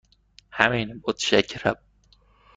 همین، متشکرم.